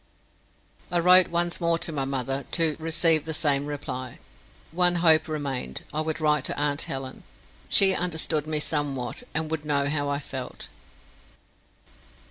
I wrote once more to my mother, to receive the same reply. One hope remained. I would write to aunt Helen. She understood me somewhat, and would know how I felt.